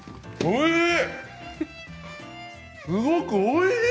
おいしい！